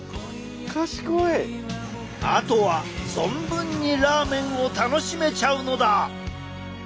あとは存分にラーメンを楽しめちゃうのだ！